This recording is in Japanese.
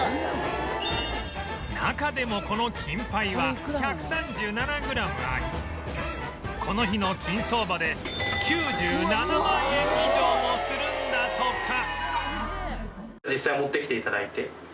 中でもこの金杯は１３７グラムありこの日の金相場で９７万円以上もするんだとか